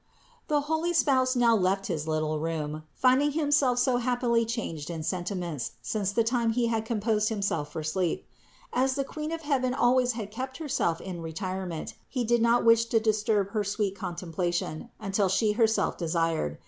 The holy spouse now left his little room, finding himself so happily changed in sentiments since the time he had composed himself for sleep. As the Queen of heaven always had kept Herself in retirement, he did not wish to disturb her sweet contemplation, until She her self desired.